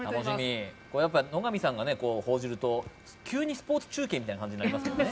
野上さんが報じると急にスポーツ中継みたいな感じになりますよね。